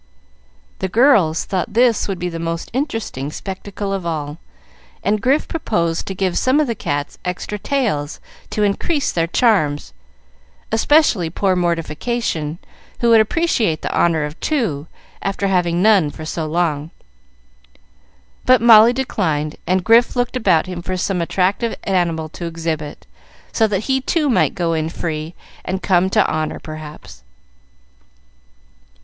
The girls thought this would be the most interesting spectacle of all, and Grif proposed to give some of the cats extra tails, to increase their charms, especially poor Mortification, who would appreciate the honor of two, after having none for so long. But Molly declined, and Grif looked about him for some attractive animal to exhibit, so that he too might go in free and come to honor, perhaps.